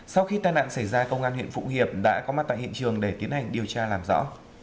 sau khi tai nạn xảy ra công an huyện phụng hiệp đã có mặt tại hiện trường để tiến hành điều tra làm rõ